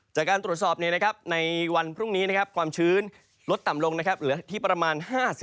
จากการตรวจสอบในวันพรุ่งนี้ความชื้นลดต่ำลงเหลือที่ประมาณ๕๐